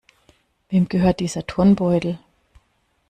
Wem gehört dieser Turnbeutel?